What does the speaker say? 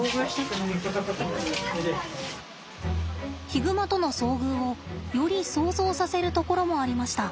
ヒグマとの遭遇をより想像させるところもありました。